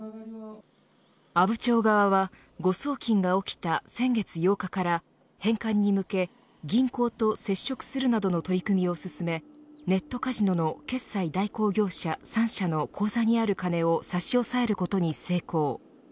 阿武町側は誤送金が起きた先月８日から返還に向け銀行と接触するなどの取り組みを進めネットカジノの決済代行業者３社の口座にある金を差し押さえることに成功。